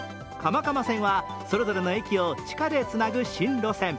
蒲蒲線はそれぞれの駅を地下でつなぐ新路線。